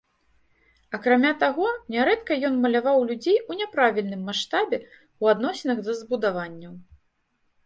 Акрамя таго, нярэдка ён маляваў людзей у няправільным маштабе ў адносінах да збудаванняў.